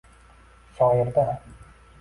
Shoirda